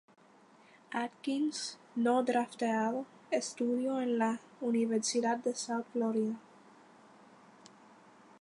Atkins, no drafteado, estudió en la Universidad de South Florida.